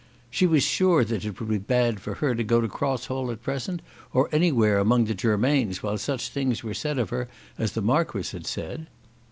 "She was sure that it would be bad for her to go to Cross Hall at present, or anywhere among the Germains, while such things were said of her as the Marquis had said."